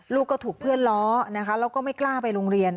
ลูกก็ถูกเพื่อนล้อนะคะแล้วก็ไม่กล้าไปโรงเรียน